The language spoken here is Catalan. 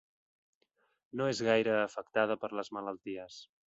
No és gaire afectada per les malalties.